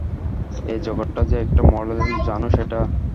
এই জগতটা যে একটা মডেল জানো সেটা?